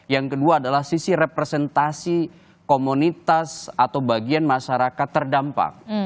yang kedua adalah sisi representasi komunitas atau bagian masyarakat terdampak